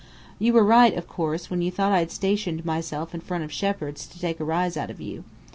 You were right, of course, when you thought I'd stationed myself in front of Shepheard's to take a rise out of you.